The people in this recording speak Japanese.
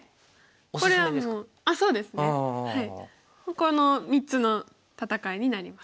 この３つの戦いになります。